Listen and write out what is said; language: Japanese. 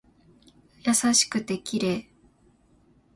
優しくて綺麗